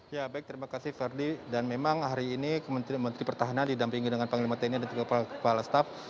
ya baik terima kasih verdi dan memang hari ini kementerian pertahanan didampingi dengan panglima tni dan juga kepala staf